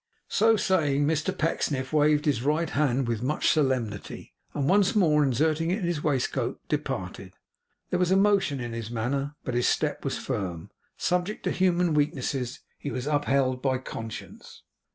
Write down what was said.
So saying, Mr Pecksniff waved his right hand with much solemnity, and once more inserting it in his waistcoat, departed. There was emotion in his manner, but his step was firm. Subject to human weaknesses, he was upheld by conscience.